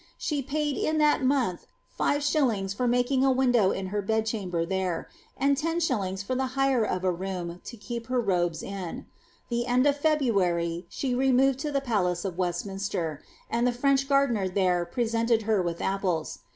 She paid in that month os^ for making rindow in her bedchamber there, and 10«. for the hire of a room to tp her robes in. The end of February, she removed to tlie palace of Bstminsteff and the French gardener there presented her wiih apples.